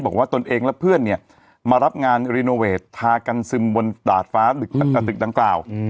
ตนเองและเพื่อนเนี่ยมารับงานรีโนเวทพากันซึมบนดาดฟ้าตึกดังกล่าว